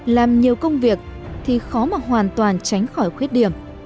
làm nhiều công việc thì khó mà hoàn toàn tránh khỏi khuyết điểm